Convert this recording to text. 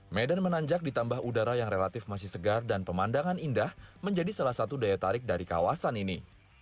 medan menanjak ditambah udara yang relatif masih segar dan pemandangan indah menjadi salah satu daya tarik dari kawasan ini